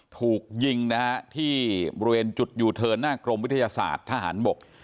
ถูกยิงนะฮะที่บริเวณจุดยูเทิร์นหน้ากรมวิทยาศาสตร์ทหารบก